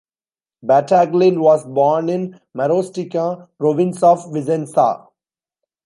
Battaglin was born in Marostica, province of Vicenza.